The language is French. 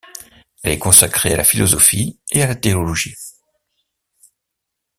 Elle est consacrée à la philosophie et à la théologie.